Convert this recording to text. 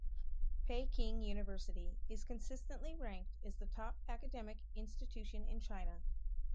Peking University is consistently ranked as the top academic institution in China.